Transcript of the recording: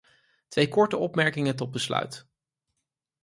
Twee korte opmerkingen tot besluit.